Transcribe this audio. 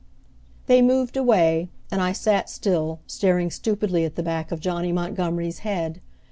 '" They moved away, and I sat still, staring stupidly at the back of Johnny Montgomery's head.